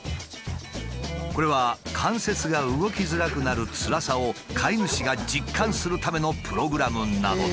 これは関節が動きづらくなるつらさを飼い主が実感するためのプログラムなのだ。